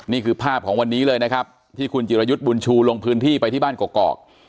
นี่คือภาพของวันนี้เลยนะครับที่คุณจิรยุทธ์บุญชูลงพื้นที่ไปที่บ้านกอก